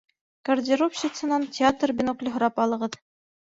Гардеробщицанан театр бинокле һорап алығыҙ